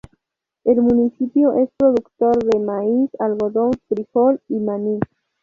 El municipio es productor de maíz, algodón, frijol y maní.